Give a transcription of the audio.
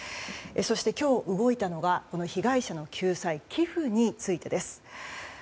そして今日、動いたのが被害者の救済寄付についてです。